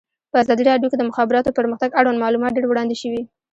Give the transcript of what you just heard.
په ازادي راډیو کې د د مخابراتو پرمختګ اړوند معلومات ډېر وړاندې شوي.